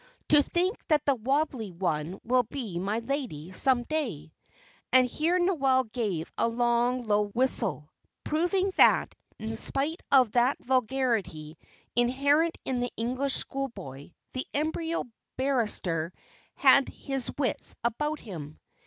To think that 'the wobbly one' will be my lady some day!" And here Noel gave a long, low whistle, proving that, in spite of that vulgarity, inherent in the English school boy, the embryo barrister had his wits about him.